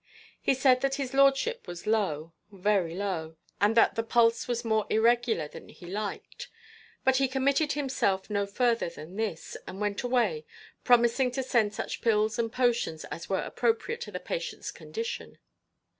He said that his lordship was low, very low, and that the pulse was more irregular than he liked, but he committed himself no further than this, and went away, promising to send such pills and potions as were appropriate to the patient's condition.